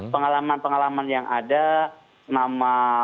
pengalaman pengalaman yang ada nama